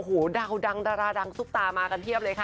โอ้โหดาวดังดาราดังซุปตามากันเพียบเลยค่ะ